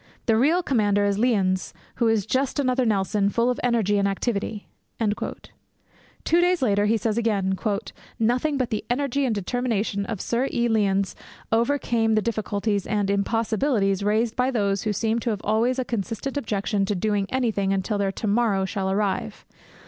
The real commander is Lyons, who is just another Nelson full of energy and activity.' Two days later, he says again, 'Nothing but the energy and determination of Sir E. Lyons overcame the difficulties and "impossibilities" raised by those who seem to have always a consistent objection to doing anything until their "to morrow" shall arrive.